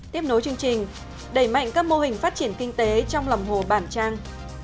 tiếp nối chương trình đẩy mạnh các mô hình phát triển kinh tế trong lòng hồ bản trang